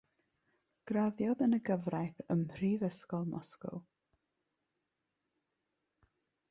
Graddiodd yn y gyfraith ym mhrifysgol Moscow.